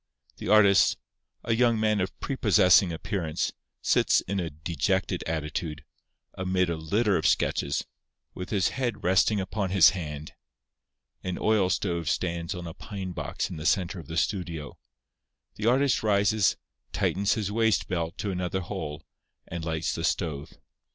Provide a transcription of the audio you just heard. _ The artist, a young man of prepossessing appearance, sits in a dejected attitude, amid a litter of sketches, with his head resting upon his hand. An oil stove stands on a pine box in the centre of the studio. The artist rises, tightens his waist belt to another hole, and lights the stove.